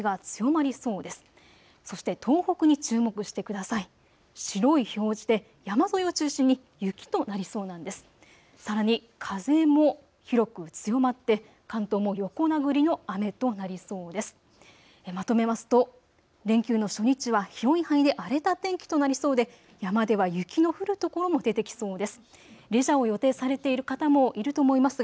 まとめますと連休の初日は広い範囲で荒れた天気となりそうで山では雪が降るところも出てきそうです。